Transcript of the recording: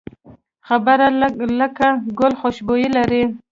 خبره لکه ګل خوشبويي لري